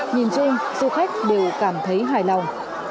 nhìn chung du khách đều cảm thấy hài lòng